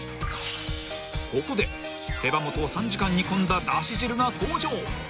［ここで手羽元を３時間煮込んだだし汁が登場］